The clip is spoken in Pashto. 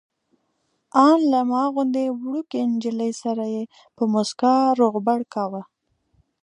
ان له ما غوندې وړوکې نجلۍ سره یې په موسکا روغبړ کاوه.